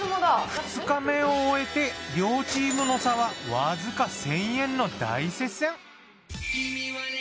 ２日目を終えて両チームの差はわずか１，０００円の大接戦！